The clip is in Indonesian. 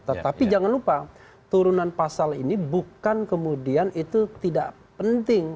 tetapi jangan lupa turunan pasal ini bukan kemudian itu tidak penting